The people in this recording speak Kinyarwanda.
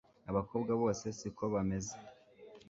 abakobwa bose siko bameze